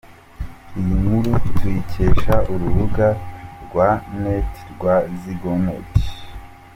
Iyi nkuru tuyikesha urubuga rwa net rwa Zigonet.